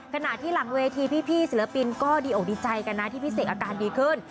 ขณะที่หลังเวทีพี่ศิลปินก็ดีอกดีใจกันนะที่พี่เสกอาการดีขึ้น